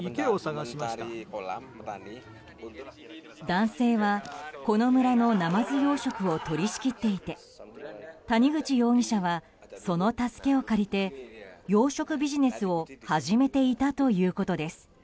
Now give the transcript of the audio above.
男性は、この村のナマズ養殖を取り仕切っていて谷口容疑者はその助けを借りて養殖ビジネスを始めていたということです。